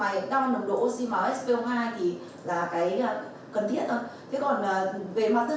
với cái đo nồng độ oxy máu spo hai thì là cái cần thiết thôi